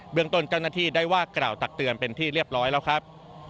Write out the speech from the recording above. เรื่องต้นเจ้าหน้าที่ได้ว่ากล่าวตักเตือนเป็นที่เรียบร้อยแล้วครับ